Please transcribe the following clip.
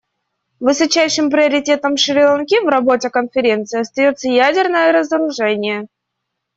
Высочайшим приоритетом Шри-Ланки в работе Конференции остается ядерное разоружение.